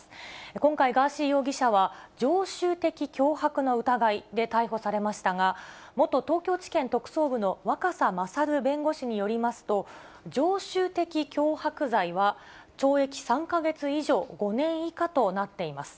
今回、ガーシー容疑者は、常習的脅迫の疑いで逮捕されましたが、元東京地検特捜部の若狭勝弁護士によりますと、常習的脅迫罪は、懲役３か月以上５年以下となっています。